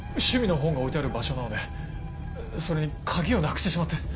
趣味の本が置いてある場所なのでそれに鍵をなくしてしまって。